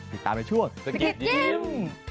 ติดตามในช่วงสกิดยิ้ม